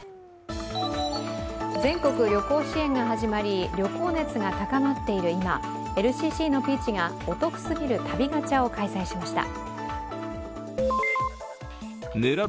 全国旅行支援が始まり、旅行熱が高まっている今、ＬＣＣのピーチがお得すぎる旅ガチャを開催しました。